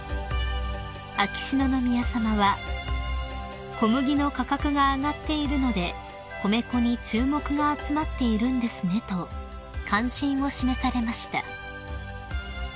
秋篠宮さまは「小麦の価格が上がっているので米粉に注目が集まっているんですね」と関心を示されました］